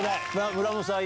村元さん